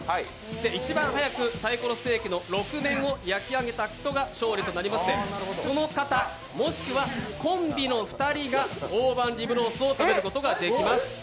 一番早くサイコロステーキの６面を焼き上げた方が勝利となりまして、その方、もしくはコンビの２人が大判リブロースを食べることができます。